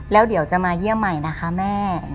แล้วเดี๋ยวจะมาเยี่ยมใหม่นะคะแม่